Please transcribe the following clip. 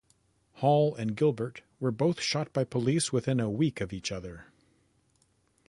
Hall and Gilbert were both shot by police within a week of each other.